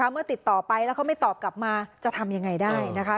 เมื่อติดต่อไปแล้วเขาไม่ตอบกลับมาจะทำยังไงได้นะคะ